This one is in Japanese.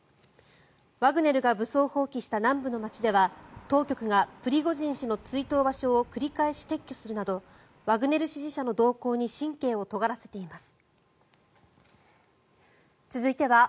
ワグネルが武装蜂起した南部の街では当局がプリゴジン氏の追悼場所を繰り返し撤去するなどワグネル支持者の動向に神経をとがらせています。